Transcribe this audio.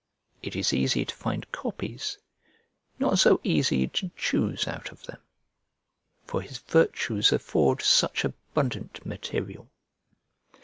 It is easy to find copies, not so easy to choose out of them; for his virtues afford such abundant material.